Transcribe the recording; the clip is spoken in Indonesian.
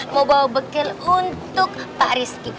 mau bawa bekal untuk pak rizky